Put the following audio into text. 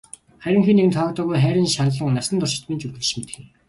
Харин хэн нэгэнд тоогдоогүй хайрын шаналан насан туршид минь ч үргэлжилж мэдэх юм.